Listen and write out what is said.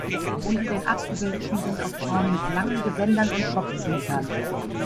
Unter den Abgebildeten sind auch Frauen mit langen Gewändern und Kopftüchern.